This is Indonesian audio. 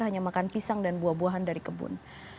hanya makan pisang dan buah buahan dari kebun